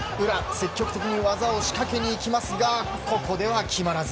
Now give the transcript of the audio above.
積極的に技を仕掛けにいきますがここでは決まらず。